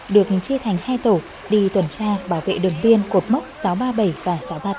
được chia thành hai tổ đi tuần tra bảo vệ đường biên cột mốc sáu trăm ba mươi bảy và sáu trăm ba mươi tám